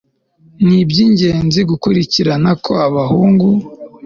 ni iby'ingenzi gukurikirana ko abahungu